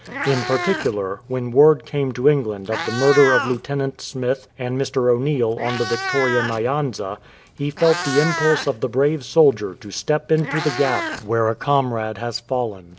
In particular, when word came to England of the murder of Lieutenant Smith and Mr. O'Neill on the Victoria Nyanza, he felt the impulse of the brave soldier to step into the gap where a comrade has it8 AN IDEAL PIONEER fallen.